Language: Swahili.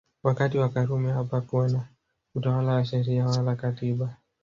Wakati wa Karume hapakuwa na utawala wa Sheria wala Katiba